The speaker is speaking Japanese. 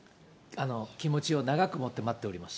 気持ちを長く持って待っております。